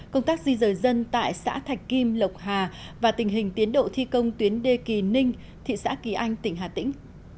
công tác di rời dân tại xã thạch kim lộc hà và tình hình tiến độ thi công tuyến đê kỳ ninh thị xã kỳ anh tỉnh hà tĩnh